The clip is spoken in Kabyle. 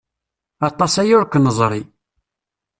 Aṭas aya ur k-neẓri.